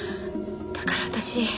だから私